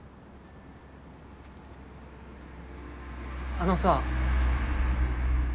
あのさ。